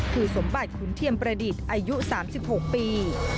คือสมบัติขุนเทียมประดิษฐ์อายุ๓๖ปี